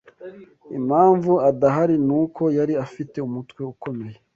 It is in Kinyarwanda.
Impamvu adahari ni uko yari afite umutwe ukomeye